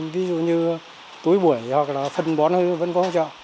ví dụ như tối buổi hoặc là phần bón vẫn có hỗ trợ